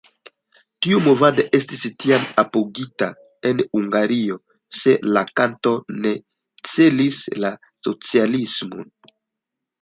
Tiu movado estis tiam apogita en Hungario, se la kantoj ne celis la socialismon.